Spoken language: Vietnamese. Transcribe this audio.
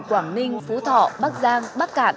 quảng ninh phú thọ bắc giang bắc cạn